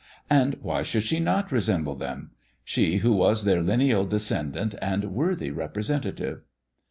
And why should she not resemble them] she who was their lineal descendant and worthy representative.